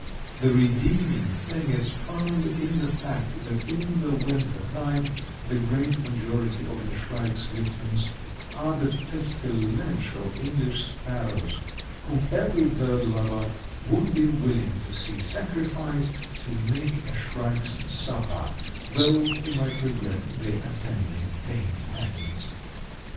The redeeming thing is found in the fact that in the winter time the great majority of the shrike's victims are the pestilential English sparrows, whom every bird lover would be willing to see sacrificed to make a shrike's supper, though he might regret the attending pain pangs.